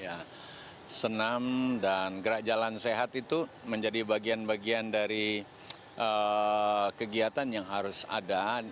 ya senam dan gerak jalan sehat itu menjadi bagian bagian dari kegiatan yang harus ada